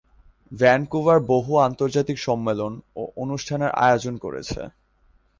Vancouver বহু আন্তর্জাতিক সম্মেলন ও অনুষ্ঠানের আয়োজন করেছে।